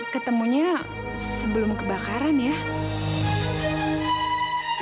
ke jam passionsyahopee kak